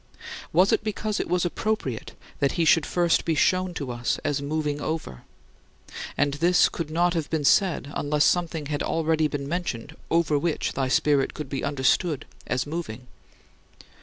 Was it because it was appropriate that he should first be shown to us as "moving over"; and this could not have been said unless something had already been mentioned over which thy Spirit could be understood as "moving"?